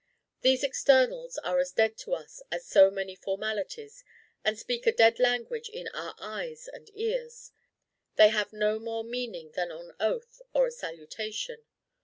These externals are as dead to us as so many formalities, and speak a dead language in our eyes and ears. They have no more meaning than an oath or a salutation.